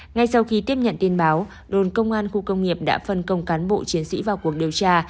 ngay sau khi tiếp nhận tin báo đồn công an khu công nghiệp đã phân công cán bộ chiến sĩ vào cuộc điều tra